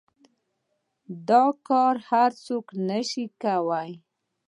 دا کار هر سوک نشي کواى.